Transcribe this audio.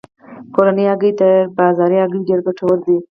کورنۍ هګۍ تر بازاري هګیو ډیرې ګټورې دي.